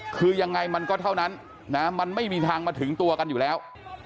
คือยังไงมันก็เท่านั้นนะมันไม่มีทางมาถึงตัวกันอยู่แล้ว